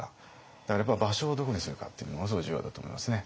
だからやっぱり場所をどこにするかっていうのはものすごい重要だと思いますね。